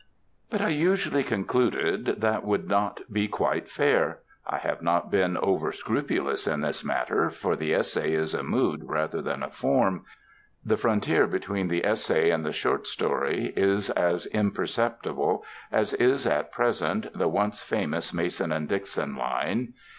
But I usually concluded that would not be quite fair. I have not been overscrupulous in this matter, for the essay is a mood rather than a form; the frontier between the essay and the short story is as imperceptible as is at present the once famous Mason and Dixon line.